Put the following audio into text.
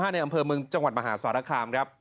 ในอำเภอเมืองจังหวัดมหาสารคามครับ